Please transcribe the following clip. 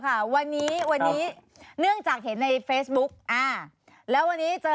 ค่ะวันนี้วันนี้เนื่องจากเห็นในเฟซบุ๊กอ่าแล้ววันนี้เจอ